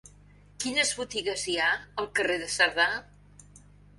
Quines botigues hi ha al carrer de Cerdà?